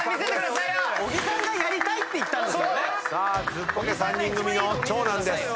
ズッコケ３人組の長男です。